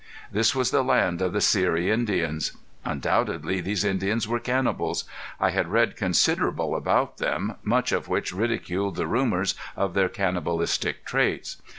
This was the land of the Seri Indians. Undoubtedly these Indians were cannibals. I had read considerable about them, much of which ridiculed the rumors of their cannibalistic traits.